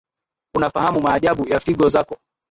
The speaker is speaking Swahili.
unafahamu maajabu ya figo zako